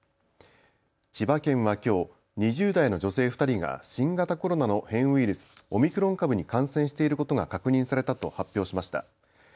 千葉県はきょう２０代の女性２人が新型コロナの変異ウイルス、オミクロン株に感染していることが確認されたと発表しました。